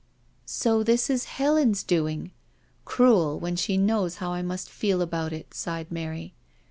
"" So this is Helen's doing I Cruel, when she knows how I must feel about it," sighed Mary.